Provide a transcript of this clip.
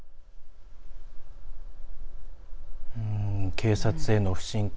警察への不信感。